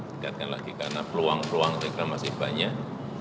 ditingkatkan lagi karena peluang peluang sekarang masih banyak